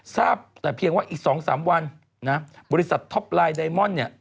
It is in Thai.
ทราบแต่เพียงว่าอีก๒๓วันนะบริษัทท็อปไลน์ไดมอนด์เนี่ย